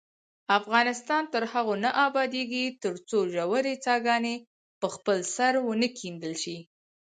افغانستان تر هغو نه ابادیږي، ترڅو ژورې څاګانې په خپل سر ونه کیندل شي.